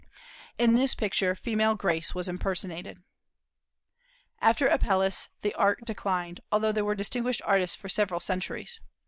In this picture female grace was impersonated. After Apelles the art declined, although there were distinguished artists for several centuries.